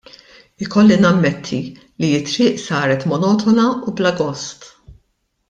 Ikolli nammetti li t-triq saret monotona u bla gost.